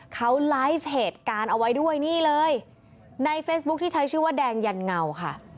เขาไลฟ์เหตุการณ์เอาไว้ด้วยนี่เลยในเฟซบุ๊คที่ใช้ชื่อว่าแดงยันเงาค่ะ